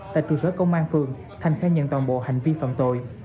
tại trụ sở công an phường thành khai nhận toàn bộ hành vi phạm tội